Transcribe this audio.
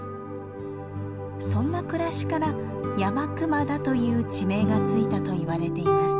そんな暮らしから「山熊田」という地名がついたといわれています。